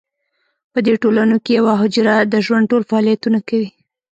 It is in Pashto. په دې ټولنو کې یوه حجره د ژوند ټول فعالیتونه کوي.